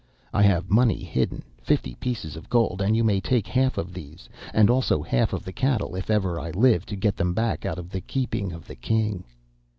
I have money hidden, fifty pieces of gold, and you may take half of these and also half of the cattle if ever I live to get them back out of the keeping of the king.